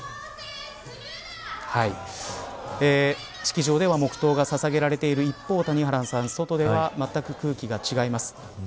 式場では黙とうがささげられている一方、谷原さん外では全く空気が違います。